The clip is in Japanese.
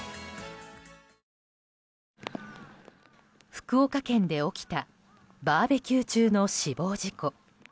福岡県で起きたバーベキュー中の死亡事故。